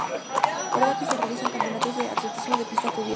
Prueba que se realiza en campeonatos de atletismo de pista cubierta.